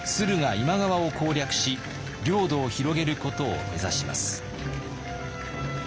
今川を攻略し領土を広げることを目指します。